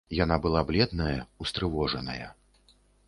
Яна была бледная, устрывожаная.